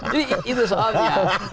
jadi itu soalnya